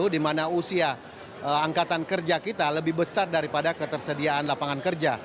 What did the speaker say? di mana usia angkatan kerja kita lebih besar daripada ketersediaan lapangan kerja